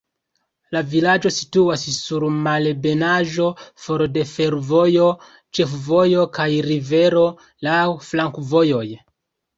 La vilaĝo situas sur malebenaĵo, for de fervojo, ĉefvojo kaj rivero, laŭ flankovojoj.